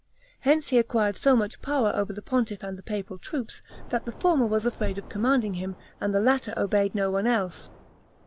Hence he acquired so much power over the pontiff, and the papal troops, that the former was afraid of commanding him, and the latter obeyed no one else.